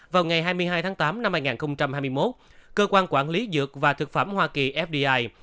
vào ngày hai mươi hai tháng tám năm hai nghìn hai mươi một cơ quan quản lý dược và thực phẩm hoa kỳ fdi